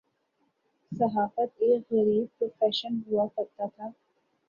صحافت ایک غریب پروفیشن ہوا کرتاتھا۔